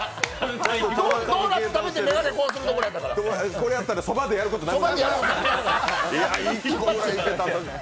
ドーナツ食べて、眼鏡こうするとこやったから。それやったら、そばでやることなくなる？